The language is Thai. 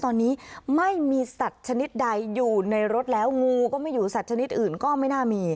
ตอนนี้ไม่มีสัตว์ชนิดใดอยู่ในรถแล้วงูก็ไม่อยู่สัตว์ชนิดอื่นก็ไม่น่ามี